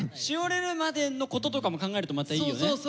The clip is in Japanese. しおれるまでのこととかも考えるとまたいいよね。